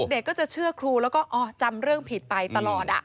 เด็กก็จะเชื่อครูแล้วก็จำเรื่องผิดไปตลอด